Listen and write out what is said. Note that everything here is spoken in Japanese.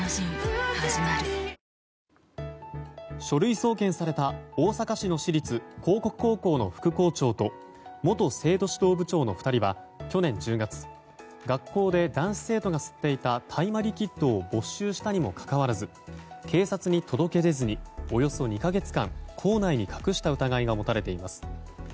書類送検された大阪市の私立興国高校の副校長と元生徒指導部長の２人は去年１０月学校で男子生徒が吸っていた大麻リキッドを没収したにもかかわらず警察に届け出ずにおよそ２か月間、校内に隠した疑いが持たれています。